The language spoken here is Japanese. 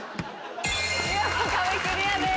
見事壁クリアです。